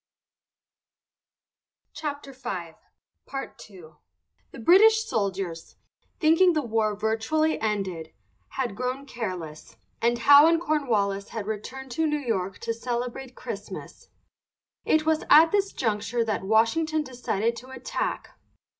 VIRGINIA WOODWARD CLOUD. The British soldiers, thinking the war virtually ended, had grown careless, and Howe and Cornwallis had returned to New York to celebrate Christmas. It was at this juncture that Washington decided to attack.